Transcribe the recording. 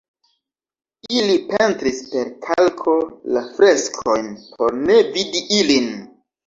Ili pentris per kalko la freskojn por ne vidi ilin.